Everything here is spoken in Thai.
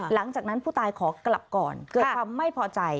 หลังจากนั้นผู้ตายขอกลับก่อนเกิดความไม่พอใจ